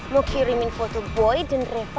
mau kirimin foto boy dan revo